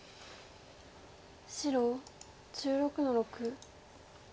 白１６の六。